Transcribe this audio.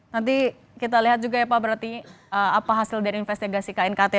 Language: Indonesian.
nanti kita lihat juga ya pak berarti apa hasil dari investigasi knkt